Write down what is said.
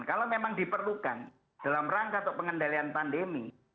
kalau memang diperlukan dalam rangka untuk pengendalian pandemi